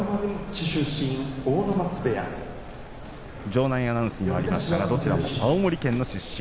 場内アナウンスでもありましたがどちらも青森県の出身